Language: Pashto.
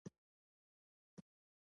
د لتمس ابي کاغذ او مقطرې اوبه پکار دي.